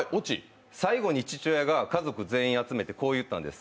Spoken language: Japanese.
最後に父親が家族全員集めて、こう言ったんです。